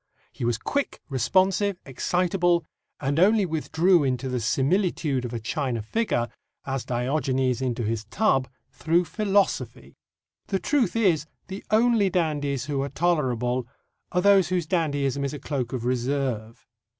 He was quick, responsive, excitable, and only withdrew into, the similitude of a china figure, as Diogenes into his tub, through philosophy. The truth is, the only dandies who are tolerable are those whose dandyism is a cloak of reserve.